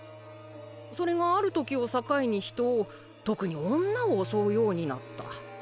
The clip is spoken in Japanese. それがある時を境に人を特に女を襲うようになった。